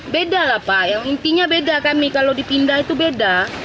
beda lah pak yang intinya beda kami kalau dipindah itu beda